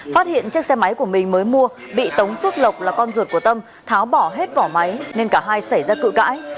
phát hiện chiếc xe máy của mình mới mua bị tống phước lộc là con ruột của tâm tháo bỏ hết vỏ máy nên cả hai xảy ra cự cãi